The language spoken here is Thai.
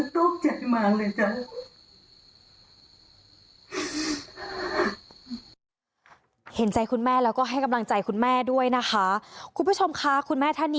ทำไมลักษณีย์ปาลูกช่วยกับมัน